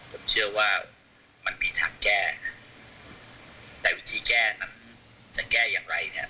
ผมเชื่อว่ามันมีทางแก้แต่วิธีแก้นั้นจะแก้อย่างไรเนี่ย